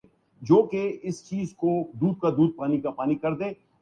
ہمارے ساتھ ایسا نہیں۔